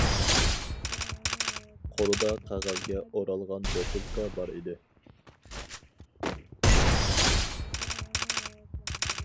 قولىدا قەغەزگە ئورالغان بوتۇلكا بار ئىدى.